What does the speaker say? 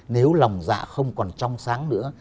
nếu lòng dạ không còn trong sáng nữa